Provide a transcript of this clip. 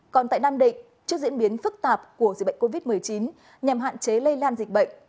còn tại nam định trước diễn biến phức tạp của dịch bệnh covid một mươi chín nhằm hạn chế lây lan dịch bệnh